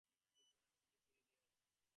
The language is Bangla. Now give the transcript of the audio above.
বৃষ্টি খারাপ স্মৃতি ফিরিয়ে নিয়ে আসে।